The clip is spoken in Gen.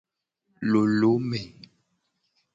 Lolome.